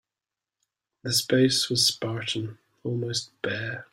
The space was spartan, almost bare.